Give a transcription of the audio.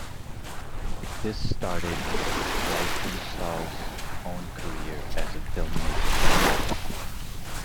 This started Riefenstahl's own career as a filmmaker.